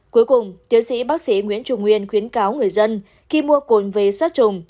cuối cùng tiến sĩ bác sĩ nguyễn trùng nguyên khuyến cáo người dân khi mua côn về sát trùng